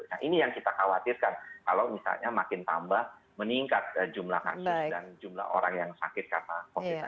nah ini yang kita khawatirkan kalau misalnya makin tambah meningkat jumlah kasus dan jumlah orang yang sakit karena covid sembilan belas